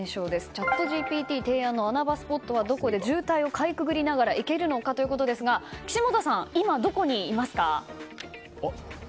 チャットＧＰＴ提案の穴場スポットはどこで渋滞をかいくぐりながら行けるのかということですが岸本さん、今どこにいますか？